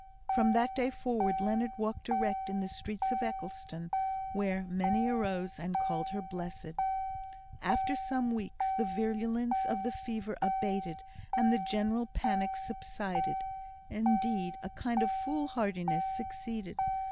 From that day forward Leonard walked erect in the streets of Eccleston, where "many arose and called her blessed." After some weeks the virulence of the fever abated; and the general panic subsided indeed, a kind of fool hardiness succeeded.